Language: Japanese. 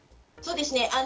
そうですね。